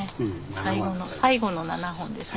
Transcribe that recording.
最後の最後の７本ですね。